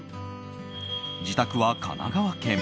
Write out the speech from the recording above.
自宅は神奈川県。